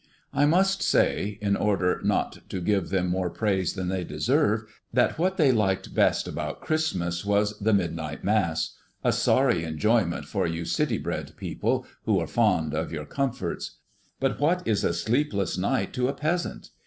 I must say, in order not to give them more praise than they deserve, that what they liked best about Christmas was the midnight Mass, a sorry enjoyment for you city bred people, who are fond of your comforts. But what is a sleepless night to a peasant?